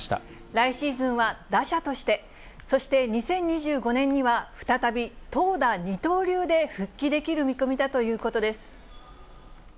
来シーズンは打者として、そして２０２５年には、再び投打二刀流で復帰できる見込みだということです。